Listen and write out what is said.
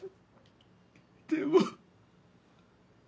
でも。